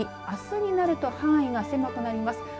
あすになると範囲が狭くなります。